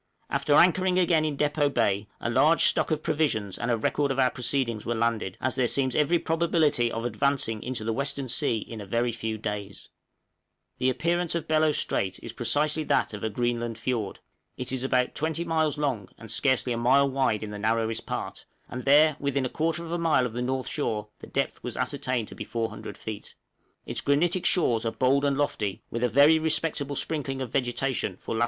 After anchoring again in Depôt Bay, a large stock of provisions and a record of our proceedings were landed, as there seems every probability of advancing into the western sea in a very few days. {BELLOT STRAIT.} The appearance of Bellot Strait is precisely that of a Greenland fiord; it is about 20 miles long and scarcely a mile wide in the narrowest part, and there, within a quarter of a mile of the north shore the depth was ascertained to be 400 feet. Its granitic shores are bold and lofty, with a very respectable sprinkling of vegetation for lat.